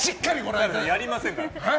やりませんから。